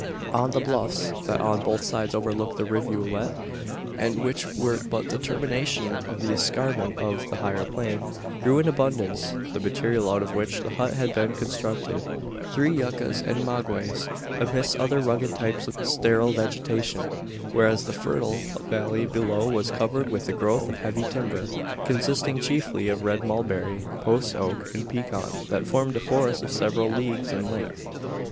On the bluffs, that on both sides overlooked the rivulet and which were but the termination of the escarpment of the higher plain grew in abundance the material out of which the hut had been constructed: tree yuccas and magueys, amidst other rugged types of sterile vegetation; whereas the fertile valley below was covered with a growth of heavy timber consisting chiefly of red mulberry, post oak, and pecan, that formed a forest of several leagues in length.